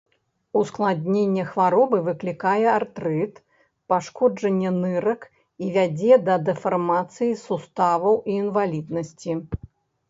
Ускладненне хваробы выклікае артрыт, пашкоджанне нырак і вядзе да дэфармацыі суставаў і інваліднасці.